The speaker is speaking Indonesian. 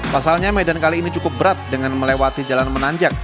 pasalnya medan kali ini cukup berat dengan melewati jalan menanjak